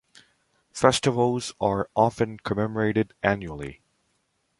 Festivals are often commemorated annually.